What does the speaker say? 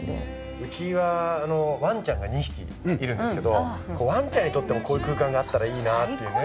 うちはワンちゃんが２匹いるんですけどワンちゃんにとってもこういう空間があったらいいなっていうね。